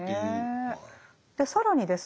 更にですね